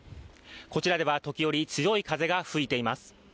こちらでは時折、強い風が吹いています。